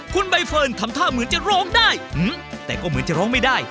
คุณใบเฟิร์นทำท่าเหมือนจะร้องได้